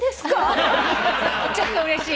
ちょっとうれしい。